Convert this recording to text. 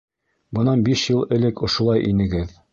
Бынан биш йыл элек ошолай инегеҙ.